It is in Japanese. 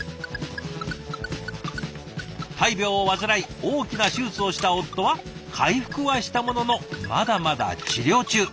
大病を患い大きな手術をした夫は回復はしたもののまだまだ治療中。